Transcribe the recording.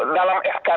dalam skt itu sendiri